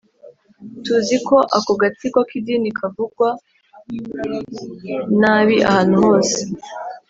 Tuzi ko ako gatsiko k idini i kavugwa nabi ahantu hose